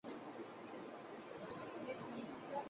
咸丰元年署国子监司业。